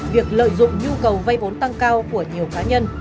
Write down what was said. việc lợi dụng nhu cầu vay vốn tăng cao của nhiều cá nhân